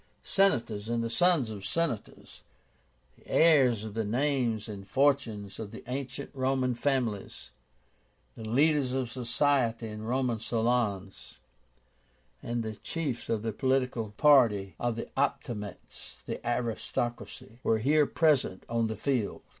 Senators and the sons of Senators, the heirs of the names and fortunes of the ancient Roman families, the leaders of society in Roman salons, and the chiefs of the political party of the optimates (aristocracy) were here present on the field.